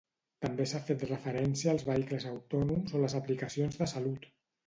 També s'ha fet referència als vehicles autònoms o les aplicacions de salut.